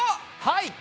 はい！